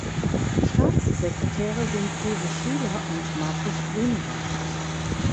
Staatssekretäre sind Uwe Schüler und Markus Grünewald.